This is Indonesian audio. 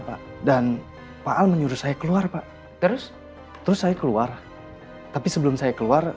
pak dan pak al menyuruh saya keluar pak terus terus saya keluar tapi sebelum saya keluar